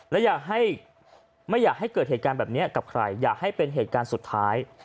และอยากให้ไม่อยากให้เกิดเหตุการณ์แบบนี้กับใครอยากให้เป็นเหตุการณ์สุดท้าย